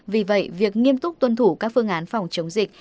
vì vậy việc nghiêm túc tuân thủ các phương án phòng chống dịch